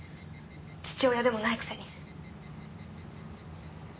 父親でもないくせに。